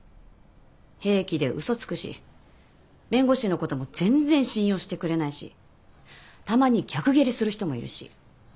平気で嘘つくし弁護士のことも全然信用してくれないしたまに逆ギレする人もいるし。